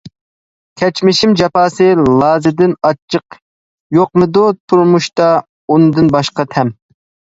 كەچمىشىم جاپاسى لازىدىن ئاچچىق يوقمىدۇ تۇرمۇشتا ئۇندىن باشقا تەم.